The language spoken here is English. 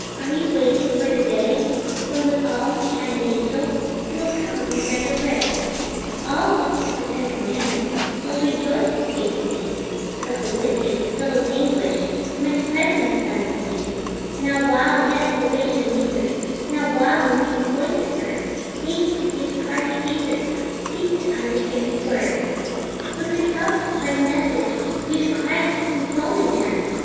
Are you waiting for the day When with all his shining angels He will come in grand array? All who keep the ten commandments Will rejoice his face to see; But the wicked, filled with anguish, From his presence then will flee Now while yet probation lingers, Now while mercy's voice is heard, Haste to give your heart to Jesus, Seek to understand his Word Quickly help to spread the message, You to Christ some soul may turn.